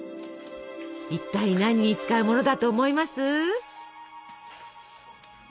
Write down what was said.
いったい何に使うものだと思います？